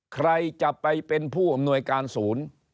ใครจะไปเป็นผู้อำนวยการศูนย์